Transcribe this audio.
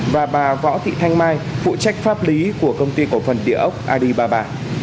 và bà võ thị thanh mai phụ trách pháp lý của công ty cổ phần địa ốc adibaba